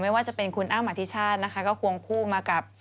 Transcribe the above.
ไม่ว่าจะเป็นคุณอ้ำอธิชาตินะคะก็ควงคู่มากับ